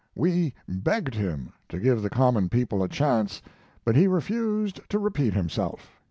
We begged him to give the common people a chance; but he refused to repeat himself.